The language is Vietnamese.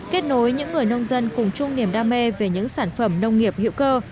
kết nối những người nông dân cùng chung niềm đam mê về những sản phẩm nông nghiệp hữu cơ